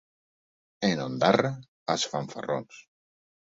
En Ondara, els fanfarrons.